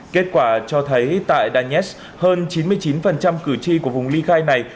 kết quả cho thấy tại danetsk hơn chín mươi chín cử tri của vùng ly khai này